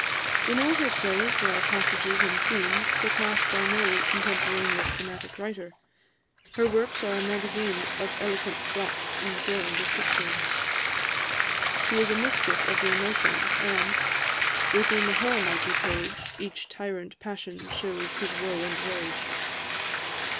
In all her plays there are passages and scenes surpassed by no contemporaneous dramatic writer. Her works are a magazine of eloquent thoughts and glowing descriptions. She is a mistress of the emotions, and "Within her mighty page, Each tyrant passion shews his woe and rage."